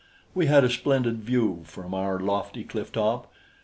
We had a splendid view from our lofty cliff top.